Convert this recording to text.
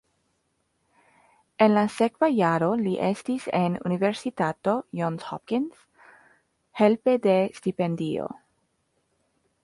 En la sekva jaro li estis en Universitato Johns Hopkins helpe de stipendio.